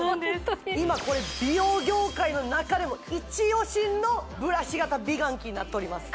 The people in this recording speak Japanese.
今これ美容業界の中でもイチオシのブラシ型美顔器になっております